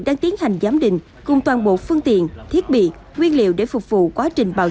đang tiến hành giám định cùng toàn bộ phương tiện thiết bị nguyên liệu để phục vụ quá trình bảo